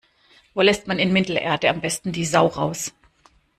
Wo lässt man in Mittelerde am besten die Sau raus?